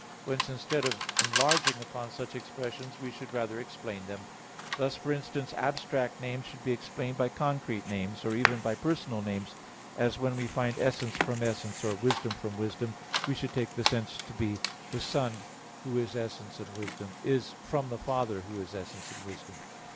Whence instead of enlarging upon such expressions we should rather explain them: thus, for instance, abstract names should be explained by concrete names, or even by personal names; as when we find "essence from essence"; or "wisdom from wisdom"; we should take the sense to be, the Son who is essence and wisdom, is from the Father who is essence and wisdom.